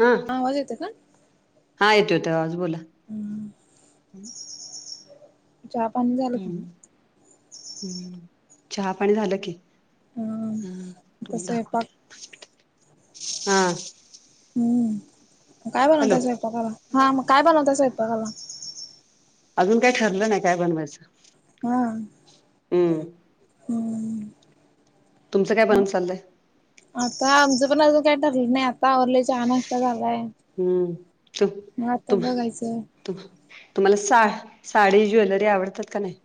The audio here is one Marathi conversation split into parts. हम् आवाज येत काण हा येतो ते आज बोला हम् चहा पं हम्म हम् चहा पाणी झालं की हा आता तुम्ही स्वयंपाक दाखवते हा हम् काय हॅलो बनवता स्वऐपाकाला हा मग काय बनवता अस ऐपाकाला अजून काय ठरलं नाही काय बनवायचं हम् हम हम तुमच काय बनण चाललंय आता आमचं पण अजून काय ठरलं नाही आता आवरलंय हा नष्ट झालाय हम्म च मग आता तुम बघायचं तुम्हाला सा साडी ज्वेलरी आवडतात का नाही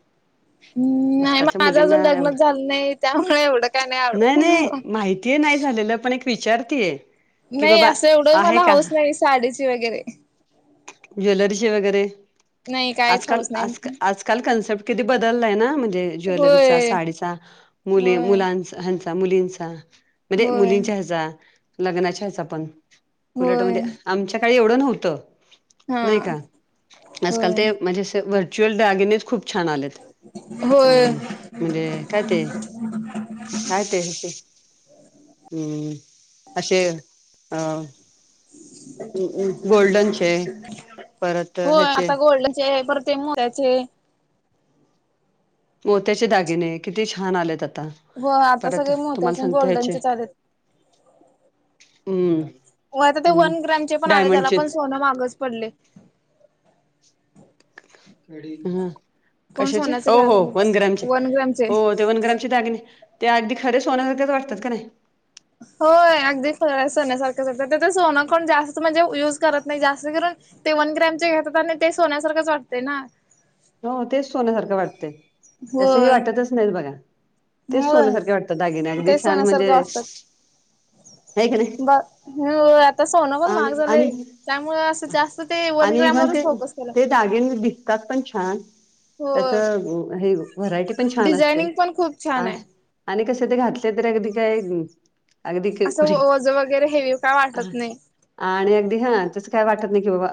हम्म नाही आजकालच्या मग माझं अजून मुलींना आवड डग्नच झालं नाही त्यामुळे एवढं काय नाही आवडत नाही विचारतीये नाही असं एवढं मला हऊच नाही साडीची वगैरे ज्वेलरीचे वगैरे नाही काहीच आजकाल हाऊस नाही. आजल आज आजकाल कन्सेप्ट कधी बदललाय ना म्हणजे ज्वेलरीचा होय साडीचा मुले होय मुलांचा हचा मुलींचा म्हणजे होय मुलींच्या ह्याचा लग्नाच्या ह्याचा पण होय उलटमध्ये आमच्या काळी एवढं नव्हतं नाही हा. का आजकाल होय. ते म्हणजे व्हर्च्युअल डागेनेच खूप खूप छान आलेत अ होय म्हणजे काय ते काय ते आहे अस हम्म असे अह गोल्डनचे परत हो ह्याचे आता गोल्डचेत तेमुळेचे मोत्याचे दागिने किती छान आलेत आता हो आता परत सगळे तुम्हाला मोत्याचे सांगता याचे गोल्डनचे आलेत. हम्म हो आता ते हम्म वन ग्रॅमचे पण आले त्याला डायमंडचे पण सोनं माग पडले ह कोण कशाचे सोन्याचे हो हो वन घ्यायला ग्रामचे वन ग्रॅमचे हो ते वन ग्रामचे दागिने ते अगदी खरे सोनसारखेच वाटतात का नाही होय अगदी फयचसारखं सत तर सोनं कोण जास्त म्हणजे युज करत नाही जास्त करून ते वन ग्रॅम चे घेतात आणि ते सोन्यासारखंच वाटते ना हो तेच सोन्यासारखं वाटते असंही होय. वाटतच नाही बघा ते होय सोन्यासारखे वाटतात दागिने अगदी ते छान म्हणजे सोन्यासारखे वाटतात. आहे की नाही ब आता सोनं पण आणि महाग झालंय आणि त्यामुळे असं जास्त तर ते वन ग्रामवररच फोकस केलं जागे दिसतात पण छान त्याच हो. हे व्हरायटी पण छान असते डिझायनिंग पण खूप छान आणि आहे. आणि कसं ते घातले तर अगदी काय? अगदी असं कुणी वज वगैरे हेवी का वाटत नाही. आणि अगदी हा त्यास काय वाटत नाही की बाबा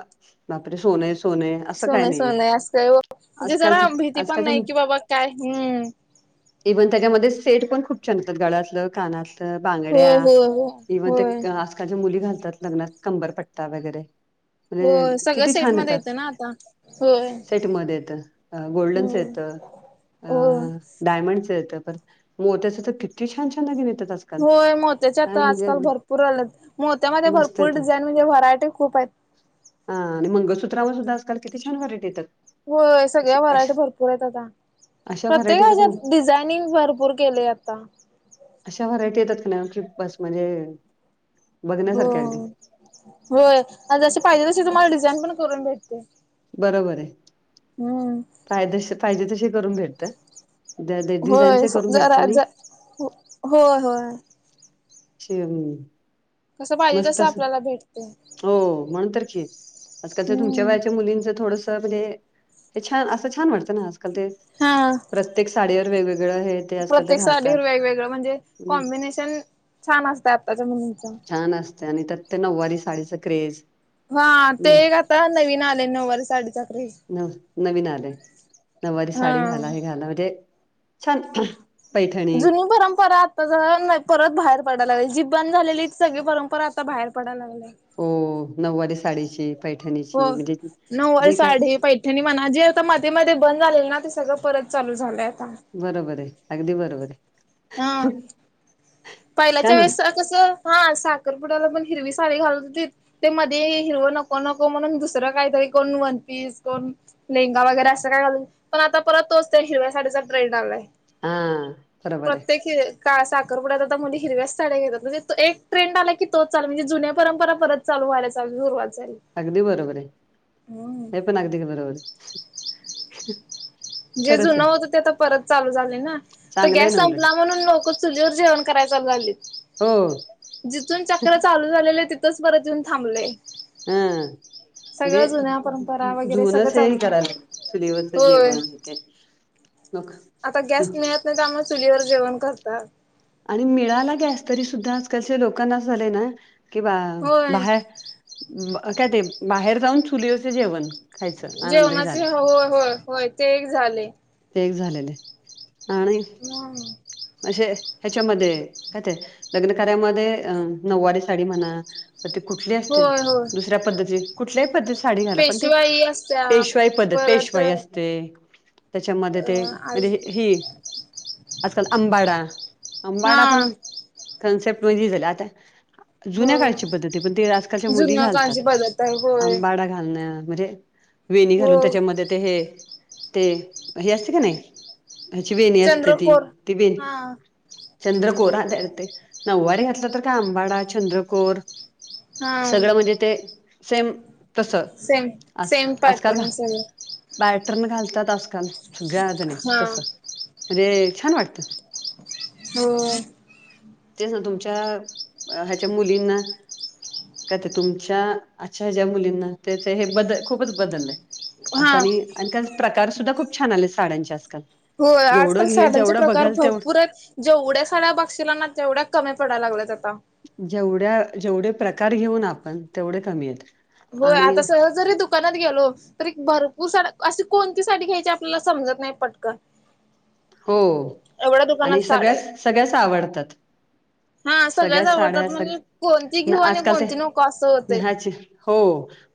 बापरे सोने सोन. सोनय सोनय आज काय म्हणजे जरा आजकालच्या भीती पण आजकालच्या नाही कि बाबा काय ह्. इव्हन त्याच्यामध्ये सेट पण खूप छान होतात गळातलं कानातलं. तर बांगड्या होय होय हो इव्हन ते होय आजकालच्या मुली घालतात लग्नात कंबर पट्टा वगैरे हो म्हणजे सगळं किती सेट मध्ये येतं ना आता, होय. सेट मध्ये येत गोल्डन्स होय येत अ. होय. डायमंड चं येतं परत मग मोत्याचं तर किती छान छान दागिने येतात. आजकाल होय मोत्याचे काय आता म्हणजे आजकाल अगदी भरपूर आलेत मोत्या मध्ये मस्त भरपुर येतात डिझाईन म्हणजे व्हरायटी खूप आहेत. हा आणि मंगळसूत्र वर सुद्धा आजकाल किती छान व्हरायटी येतात. होय अशी सगळ्या अशा व्हरायटी अश- भरपुर आहेत आता अशा व्हरायटी प्रत्येका येतात मग ह्याच्यात डिझायनिंग भरपुर केले आता. अशा व्हरायटी येतात का ना की बस म्हणजे हो बघण्यासारखे अगदी होय आणि जशी पाहिजे तशी तुम्हाला डिझाईन पण करून भेटते. बरोबर आहे.. हम्म. पाही पाहिजे तसे करून भेटतात डिझाईनचे करून भेटत आणि हो होय. शर [unintelligible] कसं पाहिजे तसं आपल्याला भेटते. हो म्हणुन तर की आजकाल च्या तुमच्या हम्म वयाच्या मुलींच थोडस म्हणजे हे छान असं छान वाटतं ना आजकाल ते हा प्रत्येक साडीवर वेगवेगळ प्रत्येक साङी वेगवेगळं म्हणजे नाही, कॉम्बिनेशन छान असतं आत्ताच्या मुलींच. छान असते आणि तर ते नऊवारी साडीचा क्रेज हा ते न एक आता नवीन आले नऊवारी साडी चा क्रेझ नव नवीन आले नऊवारी हा साडी घाला हे घाला म्हणजे छान पैठणी जुनी परंपरा परत बाहेर पडायला लागली जि बंद झालेली सगळी परंपरा आता बाहेर पडायला लागली. हो नऊवारी साडीची पैठणी ची म्हणजे जे काय? त्यांनी म्हणा जे आता मातीमध्ये बंद झाले ना ते सगळं परत चालू झालंय आता बरोबर आहे अगदी बरोबर आहे. हा पहिल्याच्या छान वाट वेळेस कसं हा साखरपुड्याला पण हिरवी साडी घालुन दिलीत. ते मध्ये हिरवा नको नको म्हणुन दुसरं कायतरी कोण वन पीस कोण? लेहंगा वगैरे असं काय घालुन पण आता परत तोच ते हिरव्या साडीचा ट्रेंड आलाय. हा बरोबर आहे प्रत्येक हे का साखरपुडाचा आता मुली हिरव्या च साड्या घेतात म्हणजे तो एक ट्रेंड आला की तोच चाल तो म्हणजे जुने परंपरा परत चालू् व्हायला सुरवात झाली. अगदी बरोबर आहे, हम्म हे पण अगदी का बरोबर आहे. जे खरंच जुनं आहे होतं ते तर परत चालू झाले ना आता चांगलं आहे गॅस ना उलट संपला म्हणुन लोक चुलीवर जेवण करायला चालु झाली. हो जिथून चक्र चालू झालेलं तिथच परत येऊन थांबलेय. हम्म. म्हणजे परंपरा वगैरे जुनं सगळं च हे चालत कराला चुलीवरच जेवण ते- लोक आता गॅस मिळत नाही, त्यामुळे चुलीवर जेवण करतात. आणि मिळाला गॅस तरी सुद्धा आजकालच्या लोकांना अस झालंय ना कि बा होय बाहेर- काय ते बाहेर जाऊन चुलीवरच् जेवण खायचं आनंदही झाला जेवणाचे हो होय होय ते एक झाले. ते एक झालेले आणि हम्म. अशे ह्याच्यामध्ये काय ते लग्न कार्यामध्ये अ नऊवारी साडी म्हणा तर ते कुठली असतील? होय होय दुसऱ्या पद्धतीची कुठल्याही पद्धती साडी घाला. पण ते पेशवाई असत्या पेशवाई पद्धत, परत पेशवाई असते. त्याच्यामध्ये अ ते आज म्हणजे ही आजकाल आंबाडा, आंबाडा हा. पण कन्सेप्ट म्हणजे झाला. आता हो. जुन्या काळची पद्धती आहे, पण ते आजकालच्या मुली जुन्या घालतात. काळची पद्धत आहे होय आंबाडा घालणं म्हणजे वेणी हो घालून त्याच्यामध्ये ते हे ते हे असते कनई ह्याची वेणी असते ती, चंद्रकोर ती वे हा चंद्रकोर हा ते ते नऊवारी घातलं तर काय आंबाडा, चंद्रकोर हा सगळं म्हणजे ते सेम तसं सेम आजका सेम आजकाल पॅटर्न सगळे पॅटर्न घालतात आजकाल सगळ्याजणी हा. तसं म्हणजे छान वाटतं. हो. तेच ना तुमच्या ह्याच्या मुलींना काय ते तुमच्या आजच्या ज्या मुलींना त्याच हे बदल खूपच बदललंय. असं हा. आणि आणि त्यात प्रकार सुद्धा खूप छान आलेत साड्यांचे आजकाल. हो जेवढं आजकाल घेईल साड्यांचे जेवढं प्रकार बघाल तेव भरपूर आहेत. जेवढ्या साड्या बघशीला ना तेवढ्या कमी पडाय लागल्यात आता. जेवढ्या जेवढे प्रकार घेऊ ना आपण तेवढे कमी आहेत. हो आणि आता सहज जरी दु दुकानात गेलो तरी भरपूर सार अशी कोणती साडी घ्यायची आपल्याला समजत नाही पटकन. हो एवढ्या आणि दुकानात साड्या आहेत. सगळ्याच सगळ्याच आवडतात. हा सगळ्या सगळ्याच साड्या आवडतात म्हणजे कोणती सग्या ना घेऊ आणि आजकाल ते कोणती नको असं होतंय ह्याच हो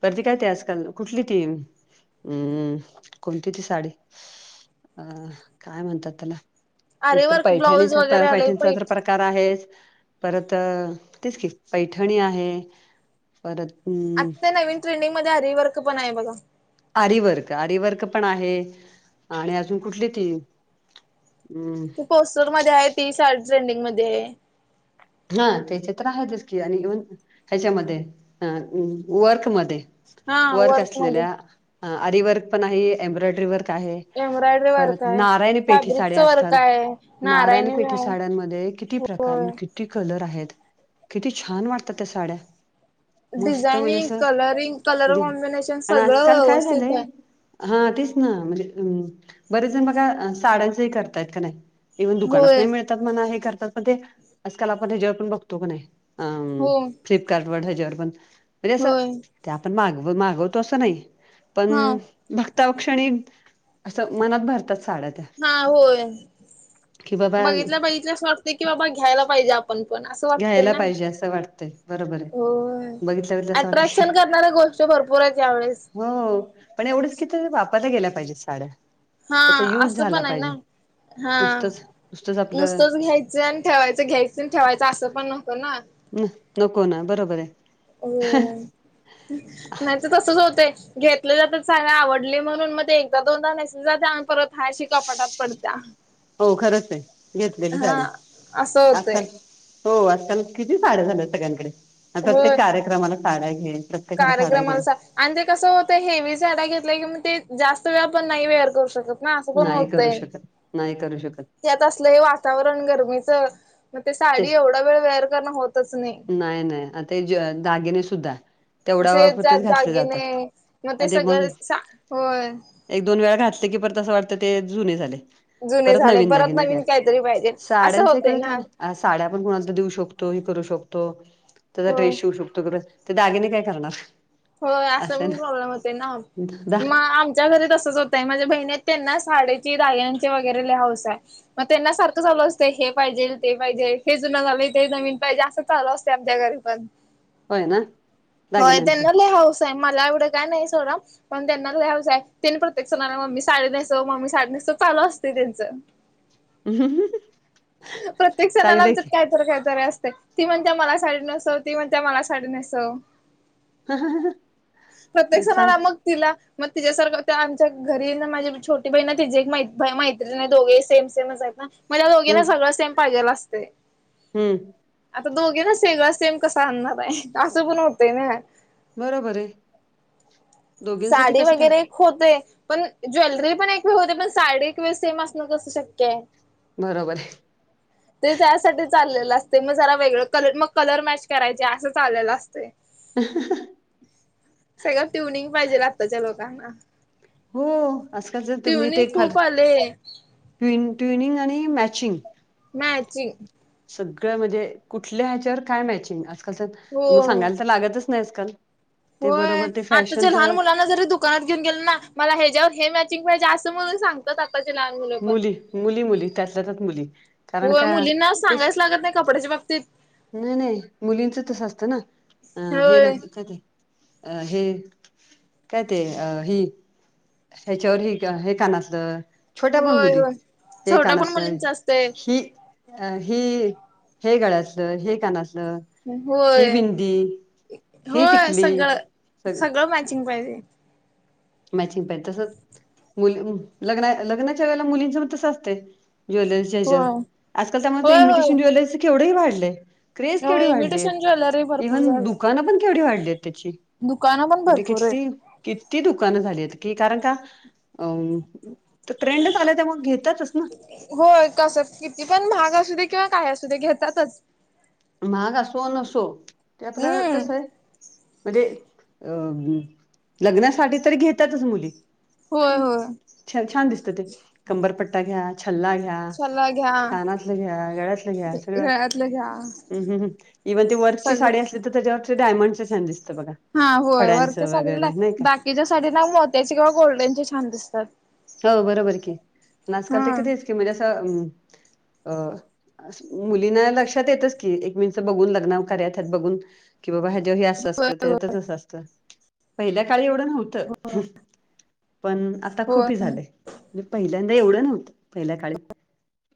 परत ती काय ते आजकाल कुठली ती हम्म कोणती ती साडी, अं काय म्हणतात त्याला? एक तर आरीवर्क ब्लाऊज पैठणीचा वगैरे आलंय पैठणीचा तर पैठ प्रक [unintelligible] आहे, परत तेच की पैठणी आहे. परत अम् आत्ता नवीन ट्रेंडिंगमध्ये आरीवर्क पण आहे बघा. आरीवर्क, आरीवर्क पण आहे आणि अजून कुठली ती अं पोस्टरमध्ये आहे ती साडी ट्रेंडिंगमध्ये आहे. हा तेचे तर आहेतच की आणि इवन ह्याच्यामध्ये ह वर्कमध्ये हा वर्क असलेल्या. मध्ये आरीवर्क पण आहे, एम्ब्रॉयडरी वर्क आहे. एम्ब्रॉयडरी वर्क परत आहे नारायणी पेठी फॅब्रिकच साड्या वर्क आजकाल. आहे नारायणी पेठी आहे साड्यांमध्ये कि किती प्रकार होय आणि किती कलर आहेत. किती छान वाटतात त्या साड्या. मस्त म्हणजे डिझायनिंग असं कलरिंग कलर दिन कॉम्बिनेशन आणि सगळं आजकाल काय व्यवस्थित झालंय आहे. हा तेच ना म्हणजे बरेच जण बघा साड्यांचही करतायत का नाही? इव्हन दुकानात होय नाही मिळतात म्हणा हे करतात, पण ते आजकाल आपण ह्याच्यावर पण बघतो का नाही. अं हो फ्लिपकार्ट वर हेज्यावर पण म्हणजे असं होय ते आपण मागव मागवतो असं नाही, हा पण बघता क्षणी असं मनात भरतात साड्या त्या. हा होय. कि बाबा बघितल्या, बघितल्या असं वाटते की बाबा घ्यायला पाहिजे आपण. पण असं वाटतंय घ्यायला ना. पाहिजे असं वाटतंय बरोबर आहे. होय बघितल्या बघितल्या असं वाटतं की अट्रॅक्शन करणार गो भरपूर आहेत यावेळेस. हो पण एवढंच की ते वापरल्या गेल्या पाहिजेत साड्या. हा त्याचा युज असं झाला पण आहे पाहिजे नाही. हा नुसतंच नुसतंच आपलं नुसतच घ्याय चे आणि ठेवायचं, घ्यायचं आणि ठेवायचं असं पण होतं ना. नको ना, बरोबर आहे. हो. नाही ते तसचं होतय घेतल जात, चांगल आवडलयं म्हणून, मग ते एकदा दोनदा नेसले जाते आणि परत हाय अशी कपाटात पडत्या. हो, खरंच आहे घेतलेली हा साडी असं अख्ख होतय हो, असताना किती साड्या झाल्या सगळ्यांकडे प्रत्येक कार्यक्रमाला साड्या घे प्रत्येकाला साड्या घे कार्यक्रमांसाठी आणि ते कसं होतय, हेवी साड्या घेतल्या की म ते जास्त वेळ आपण नाही वेअर करू शकत. ना असं पण नाही करू होतय शकत नाही करू शकत. त्यात असलं हे वातावरण गरमीचं मग ते साडी तेच एवढा वेळ वेअर करणं होतच नाही. नाही नाही, आता ते दागिने सुध्दा. [unintelligible] जात दागिने मग ते सगळं सा- होय. एक दोन वेळा घातले की, परत असं वाटतं ते जुने झाले. जुने परत झाले नवीन दागिने घ्या, काहीतरी पाहिजे असं साड्यांच होतय इकड का ना साड्या आपण कोणाला देऊ शकतो, हे करू शकतो त्याचा होय ड्रेस शिवऊ शकतो खर ते दागिने काय करणार? होय, असा असं आहे पण प्रॉब्लेम होते ना मग म-आम माझ्या घरी तसच होतय, माझ्या बहिणी आहेत त्यांना साड्यांची दागिण्यांची वगैरे लय हौस आहे. मग त्यांना सारखं चालू असतयं, हे पाहिजे ते पाहिजे हे जुन झालय ते नविन पाहिजे असं चालू असतय, आमच्या घरी पण. होय ना. होय, दागिन्यांचं त्यांना लय हौस आहे, मला एवढं काय नाही सोडा. पण त्यांनाच लय हौस आहे, त्यांनी प्रत्येक सणाला मम्मी साडी नेसव मम्मी साडी नेसव चालू असतय त्यांच. प्रत्येक सणाला चांगलंय आमच्यात की काय खरं काहीतरी असते ती म्हणत्या, मला साडी नेसव ती म्हणत्या मला साडी नेसव. [unintelligible] प्रत्येक सांग सणाला मग तिला मग तिच्या सारखं त्या आमच्या घरी ना माझी छोटी बाहिण आहे ना, तिचीे एक मैत्री दोघेही सेम सेमचं आहेत ना. म त्या हम्म दोघींना सगळं सेम सेम पाहिजेल असतय. हम्म, आता दोघे ना सगळा सेम कसा आणणार आहे, असं पण होतय ना. बरोबर आहे. दोघींसाठी साडी कसं काय वगैरे होतय, पण ज्वेलरी पण एक वेळ होतय, पण साडी एक वेळ सेम असणं कसं शक्य आहे. बरोबर आहे. [unintelligible] ते त्यासाठी चाललेलं असतय, मग जरा वेगळं कलर मग कलर मॅच करायचे असं चाललेलं असतय. [unintelligible] सगळं ट्युनिंग पाहिजे, आत्ताच्या लोकांना. हो असं जर, तुम्ही ट्युनिंग ते खर खूप आले ट्विन -ट्विनिंग आणि मॅचिंग. मॅचिंग सगळं म्हणजे कुठल्या ह्याच्यावर काय मॅचिंग आजकाल तर, तुम्हाला हो. सांगायला तर लागतच नाही आजकाल. ते होय, बरोबर ते आत्ताच्या फॅशनच लहान मुलांना जरी दु दुकानात घेऊन गेले ना, मला ह्याच्यावर हे मॅचिंग पाहिजे असं म्हणून सांग [unintelligible] आत्ताचे लहान मुले पण मुली मुली मुली त्यातल्या त्यात मुली कारण होय, का मुलींना तेच सांगायच लागत नाही कपड्याच्या बाबतीत. ते नाही नाही, मुलींच तसं असतं ना, अ हे होय नको का ते अ हे काय, ते अ ही ह्याच्यावर हे हे का-कानातलं. छोट्या पण होय मुली होय ते छोटा पण कानातलं मुलींच असतय हि अ ही हे गळ्यातल हे कानातल होय ही होय, टिकली सगळं सगळं मॅचिंग पाहिजे. मॅचिंग पाहिजे तस मुली लग- लग्नाच्या वेळेला मुलींच पण, तस असतय ज्वेलरी हेज होय आजकाल तर, होय होय इमिटेशन ज्वेलरीच केवढ हे वाढलय. क्रेज केवढी होय वाढलीय, इमिटेशन ज्वेलरी भरपूर इव्हन झाले दुकानं पण केवढी वाढली आहेत त्याची. दुकानं पण म्हणजे भरपूर किती आहेत - किती दुक दुकानं झालीयेत कारण का, अ ट्रेंडच आला तर मग घेतातच ना. होय कसं किती, पण महाग असू दे किंवा काही असू दे घेतातच. महाग असो नसो ते आपला हम्म कसं आहे. म्हणजे अ लग्नासाठी तरी घेतातच मुली. होय होय. छान छान दिसत ते कंबरपट्टा घ्या छल्ला घ्या, चला घ्या कानातलं घ्या गळ्यातलं घ्या सगळं ल घ्या हमम इवन ते वर्कची साडी सगळं असली तर, त्याच्यावर ते डायमंडच छान दिसत बघा. हा होय, वर्कच्या खड्यांचं साडीला वगैरे नाही का बाकीच्या साडींना मोत्याचे किंवा गोल्डनचे छान दिसतात. हो, बरोबर की पण आजकाल हा. ते कितीच की म्हणजे असं अ अ मुलींना लक्षात येतच की, एकमेकी बघून लग्न कार्यात बघून कि बाबा हेजावर हे असं होय असतं, त्याच्या वर ते असं असतं पहिल्या काळी एवढं नव्हत. पण आता खुप हे होय झालयं पहिल्यांदा एवढं नव्हतं, पहिल्या काळी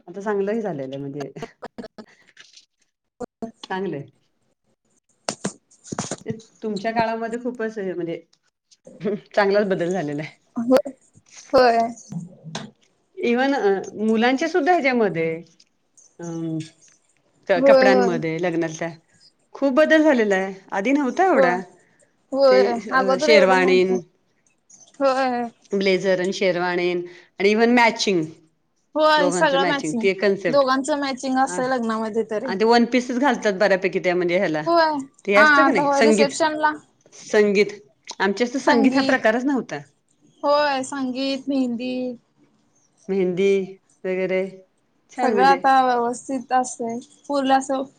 आता चांगलं ह झालेलयं म्हणजे [unintelligible] होय. चांगलंय. [unintelligible] तुमच्या काळामध्ये खूपच हे म्हणजे चांगलाच बदल झालेला आहे. होय होय. इव्हन मुलांच्या सुद्धा हेच्या मध्ये अ तर होय होय कपड्यांमध्ये लग्नाच्या खूप बदल झालेला आहे. आधी नव्हता होय. एवढा होय ते अगोदर एवढं नव्हतं शेरवाणीन होय. ब्लेझर आणि शेरवाणीन आणि इव्हन मॅचिंग होय दोघांच सगळं मॅचिंग ते कनसेप्ट दोघांचं मॅचिंग असतंय लग्नामध्ये तरी. आण-आणि ते वन पीसेस घालतात बऱ्यापैकी त्या म्हणजे ह्यात होय, हा आता होय रिसेप्शन ला. संगीत आमच्यात तर संगीत हा प्रकारच नव्हता. होय संगीत, मेहंदी मेहंदी वगैरे छान सगळं म्हणजे आता व्यवस्थित असतयं फुल असं